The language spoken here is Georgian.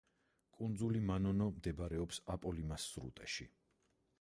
კუნძული მანონო მდებარეობს აპოლიმას სრუტეში.